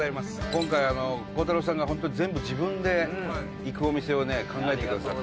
今回孝太郎さんがホントに全部自分で行くお店をね考えてくださって。